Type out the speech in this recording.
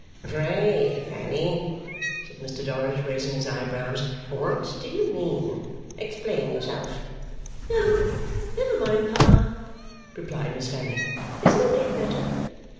'Pray, Fanny,' said Mr Dorrit, raising his eyebrows, 'what do you mean? Explain yourself.' 'Oh! Never mind, Pa,' replied Miss Fanny, 'it's no great matter.